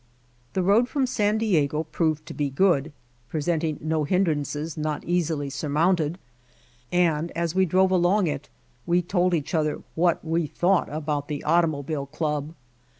The road from San Diego proved to be good, presenting no hindrances not easily surmounted, and as we drove along it we told each other what we thought about the Automobile Club.